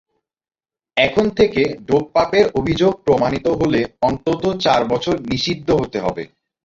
এখন থেকে ডোপ-পাপের অভিযোগ প্রমাণিত হলে অন্তত চার বছর নিষিদ্ধ হতে হবে।